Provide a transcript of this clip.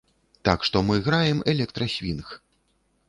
Так што мы граем электрасвінг.